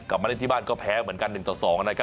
กลับมาเล่นที่บ้านก็แพ้เหมือนกัน๑ต่อ๒นะครับ